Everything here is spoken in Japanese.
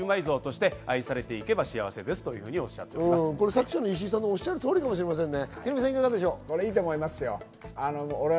作者の石井さんのおっしゃる通りかもしれませんね。